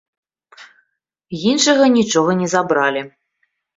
Іншага нічога не забралі.